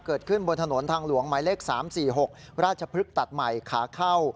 เกิดขึ้นบนถนนทางหลวงหมายเลข๓๔๖ราชพฤกษ์ตัดใหม่ขาเข้า